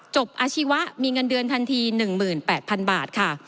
อาชีวะมีเงินเดือนทันที๑๘๐๐๐บาทค่ะ